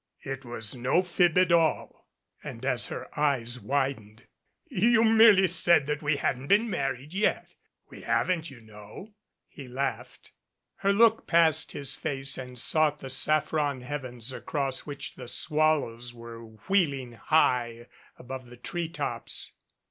"It was no fib at all." And as her eyes widened, "You merely said that we hadn't been married yet. We haven't, you know," he laughed. Her look passed his face and sought the saffron heav ens across which the swallows were wheeling high above the tree tops.